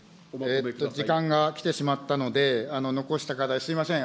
時間が来てしまったので、残したかた、すみません。